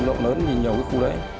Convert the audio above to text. lộn lớn nhìn nhau cái khu đấy